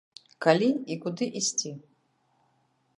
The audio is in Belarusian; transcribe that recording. Калі і куды ісці?